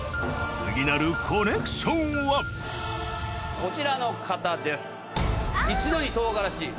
次なるコネクションはこちらの方です